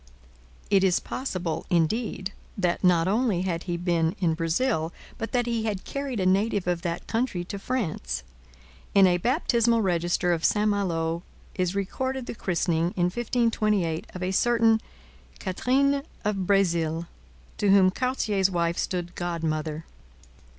It is possible, indeed, that not only had he been in Brazil, but that he had carried a native of that country to France. In a baptismal register of St Malo is recorded the christening, in 1528, of a certain 'Catherine of Brezil,' to whom Cartier's wife stood godmother.